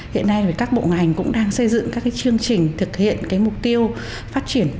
hiện nay các bộ ngành cũng đang xây dựng các chương trình thực hiện cái mục tiêu phát triển